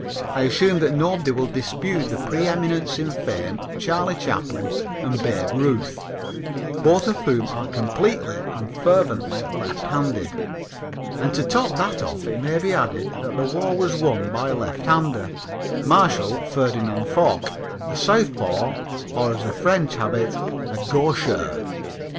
I assume that nobody will dispute the preëminence in fame of Charlie Chaplin and Babe Ruth, both of whom are completely and fervently lefthanded. And to top that off it may be added that the war was won by a lefthander, Marshal Ferdinand Foch, a southpaw, or, as the French have it, gaucher.